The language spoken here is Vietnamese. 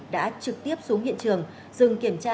đã trực tiếp xuống hiện trường dừng kiểm tra